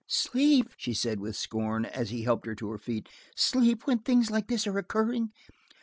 "Sleep!" she said with scorn, as he helped her to her feet. "Sleep, when things like this are occurring!